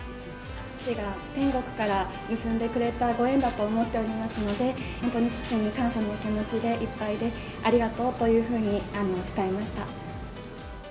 父が天国から結んでくれたご縁だと思っていますので、本当に父に感謝の気持ちでいっぱいでありがとうというふうに伝えました。